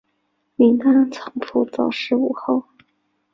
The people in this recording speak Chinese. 允丹藏卜早逝无后。